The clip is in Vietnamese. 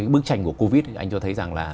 bức tranh của covid anh tôi thấy rằng là